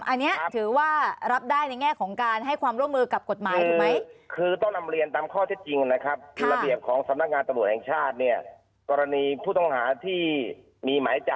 อันนี้ถือว่ารับได้ในแง่ของการให้ความร่วมมือกับกฎหมายถูกไหม